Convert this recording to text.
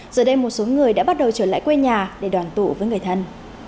giờ đây một số người đã bắt đầu trở lại quê nhà để đoàn tụ với người thân